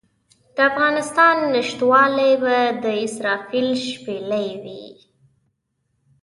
د افغانستان نشتوالی به د اسرافیل شپېلۍ وي.